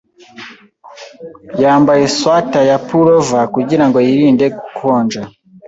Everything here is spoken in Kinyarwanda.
Yambaye swater ya pullover kugirango yirinde gukonja.